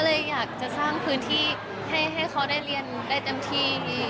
เลยอยากจะสร้างพื้นที่ให้เขาได้เรียนได้เต็มที่